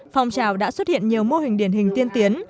phong trào đã xuất hiện nhiều mô hình điển hình tiên tiến